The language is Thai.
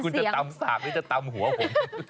คุณจะตำสากหรือจะตำหัวผม